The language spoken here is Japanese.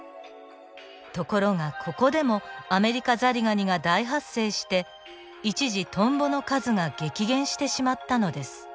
ところがここでもアメリカザリガニが大発生して一時トンボの数が激減してしまったのです。